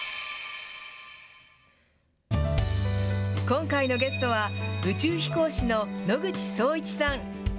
今回のゲストは、宇宙飛行士の野口聡一さん。